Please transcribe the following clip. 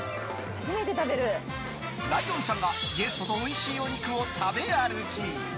ライオンちゃんがゲストとおいしいお肉を食べ歩き！